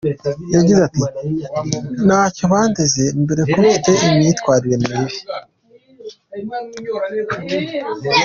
Yagize ati " Ntacyo bandeze mbere ko mfite imyitwarire mibi.